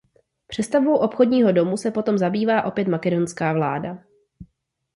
Přestavbou obchodního domu se potom zabývala opět makedonská vláda.